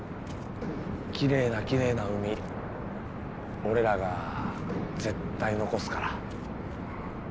きれいなきれいな海俺らが絶対残すから。